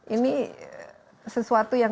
ini sesuatu yang